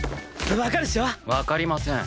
わかるっしょ？わかりません。